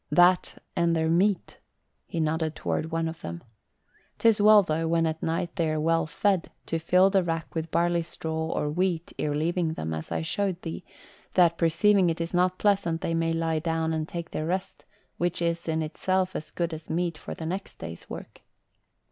"That, and their meat." He nodded toward one of the men. "'Tis well, though, when at night they are well fed, to fill the rack with barley straw or wheat ere leaving them, as I showed thee, that perceiving it is not pleasant they may lie down and take their rest, which is in itself as good as meat for the next day's work."